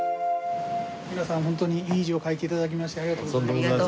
皆さん本当にいい字を書いて頂きましてありがとうございます。